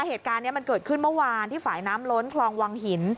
เหตุการณ์นี้มันเกิดขึ้นเมื่อวานที่ฝ่ายน้ำล้นคลองวังหิน